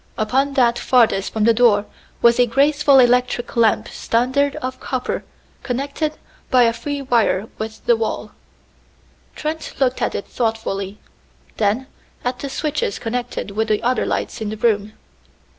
Upon that farthest from the door was a graceful electric lamp standard of copper connected by a free wire with the wall. Trent looked at it thoughtfully, then at the switches connected with the other lights in the room.